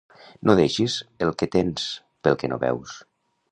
No deixis el que tens, pel que no veus.